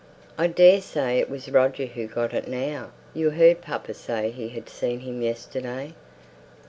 "I daresay it was Roger who got it now. You heard papa say he had seen him yesterday."